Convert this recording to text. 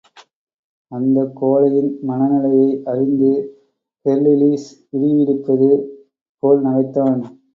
அந்தக் கோழையின் மனநிலையை அறிந்து, ஹெர்லிலிஸ் இடியிடிப்பது போல் நகைத்தான்.